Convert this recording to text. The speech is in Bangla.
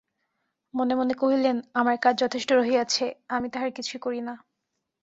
মনে মনে কহিলেন, আমার কাজ যথেষ্ট রহিয়াছে, আমি তাহার কিছুই করি না।